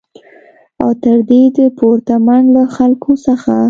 او تر دې د پورته منګ له خلکو څخه